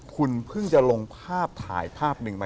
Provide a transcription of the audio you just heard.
คุณเพิ่งจะลงภาพถ่ายภาพหนึ่งมา